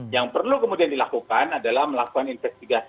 yang perlu kemudian dilakukan adalah melakukan investigasi